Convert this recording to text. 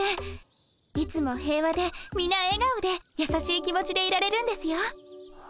いつも平和でみな笑顔でやさしい気持ちでいられるんですよ。